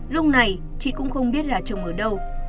lúc này chị cũng không biết là chồng ở đâu